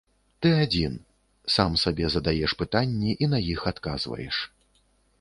Ты адзін, сам сабе задаеш пытанні і на іх адказваеш.